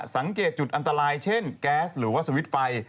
สังเกตจุดอันตรายเช่นแก๊สหรือว่าสวิตช์ไฟ